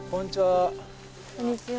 こんにちは。